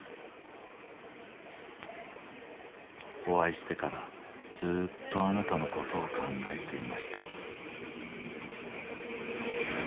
「お会いしてからずっとあなたのことを考えていました」。